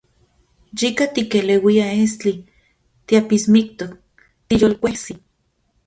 Yika tikeleuia estli, tiapismiktok, tiyolkuejsi.